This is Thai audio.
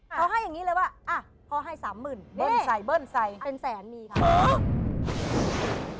เพราะให้อย่างงี้เลยว่าพอให้สามหมื่นเป้นแสนมีครับ